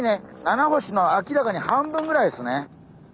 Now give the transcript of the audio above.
ナナホシの明らかに半分ぐらいですね。